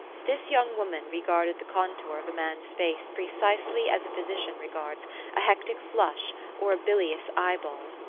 This }^oung woman re garded the contour of a man's face precisely as a ph} T sician regards a hectic flush or a bilious eye ball.